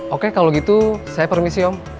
oke kalau gitu saya permisi om